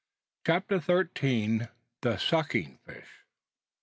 CHAPTER THIRTEEN. THE SUCKING FISH.